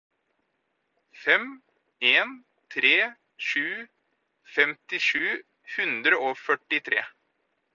fem en tre sju femti sju hundre og førtitre